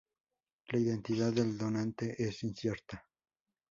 La identidad del donante es incierta.